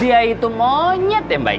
dia itu monyet yang baik